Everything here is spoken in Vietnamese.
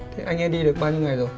thế anh em đi được bao nhiêu ngày rồi